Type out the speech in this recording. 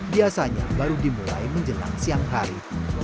biasanya baru dimulai menjelang siang hari